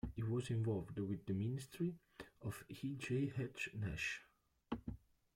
He was involved with the ministry of E. J. H. Nash.